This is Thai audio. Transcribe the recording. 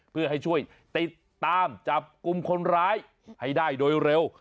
เพื่อให้ช่วยติดตามจับกลุ่มคนร้ายให้ได้โดยเร็ว